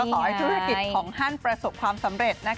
ก็ขอให้ธุรกิจของฮั่นประสบความสำเร็จนะคะ